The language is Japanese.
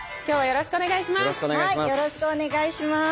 よろしくお願いします。